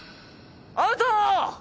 アウトォ！